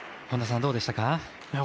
本田さん、どうでしたか？